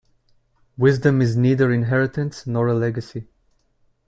Wisdom is neither inheritance nor a legacy.